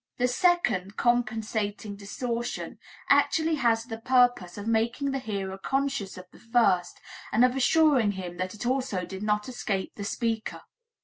The second, compensating distortion actually has the purpose of making the hearer conscious of the first, and of assuring him that it also did not escape the speaker.